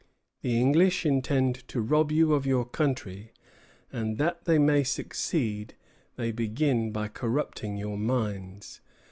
The English intend to rob you of your country; and that they may succeed, they begin by corrupting your minds.